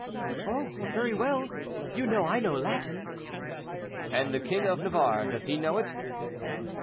"Oh, very well; you know I know Latin." "And the king of Navarre, does he know it?"